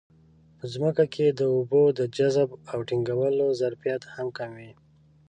په ځمکه کې د اوبو د جذب او ټینګولو ظرفیت هم کم وي.